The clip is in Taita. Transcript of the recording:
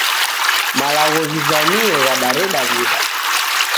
Malagho ghizamie ghadareda w'uda.